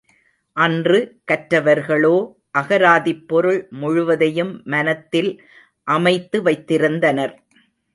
அன்று, கற்றவர்களோ அகராதிப் பொருள் முழுவதையும் மனத்தில் அமைத்து வைத்திருந்தனர்.